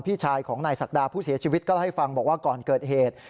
พี่ชายของนายศักดาผู้เสียชีวิตก็เล่าให้ฟังบอกว่าก่อนเกิดเหตุ